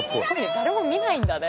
誰も見ないんだね